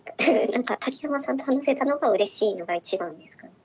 何か竹山さんと話せたのがうれしいのが一番ですかね。